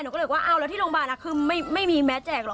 ก็เลยว่าอ้าวแล้วที่โรงพยาบาลคือไม่มีแม้แจกหรอ